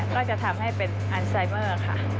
ก็จะทำให้เป็นอันไซเมอร์ค่ะ